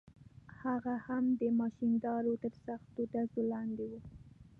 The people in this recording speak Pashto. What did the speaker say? هغه هم د ماشیندارو تر سختو ډزو لاندې و.